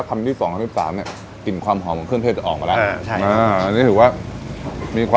กมุนยังไงอ่ะเม็ดผักชีอะไรงี้มะ